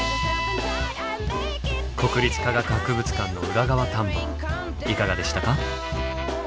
国立科学博物館の裏側探訪いかがでしたか？